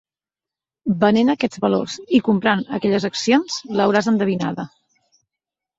Venent aquests valors i comprant aquelles accions, l'hauràs endevinada.